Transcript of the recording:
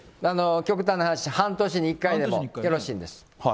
極端な話、半年に１回でもよろしいんです。